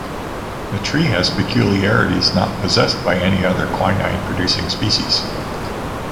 The tree has peculiarities not possessed by any other quinine-producing species.